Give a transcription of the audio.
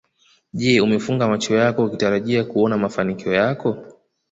Je umefunga macho yako ukitarajia kuona mafanikio yako